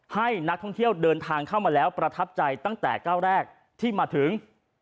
ให้นักท่องเที่ยวเดินทางเข้ามาแล้วประทับใจตั้งแต่ก้าวแรกที่มาถึง